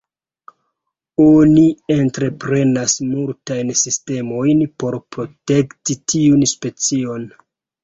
Oni entreprenas multajn sistemojn por protekti tiun specion.